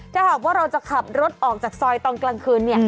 ถ้าหากว่าเราจะขับรถออกจากซอยตอนกลางคืน